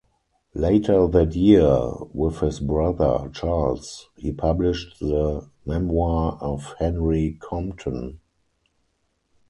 Later that year with his brother Charles he published the "Memoir of Henry Compton".